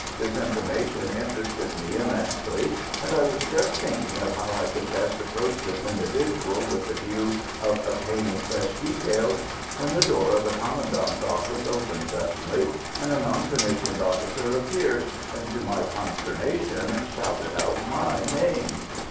This information interested me immensely, and I was just thinking of how I could best approach this individual with the view of obtaining fresh details, when the door of the Commandant's office opened suddenly and a non commissioned officer appeared, and, to my consternation, shouted out my name.